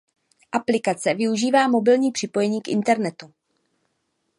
Aplikace využívá mobilní připojení k internetu.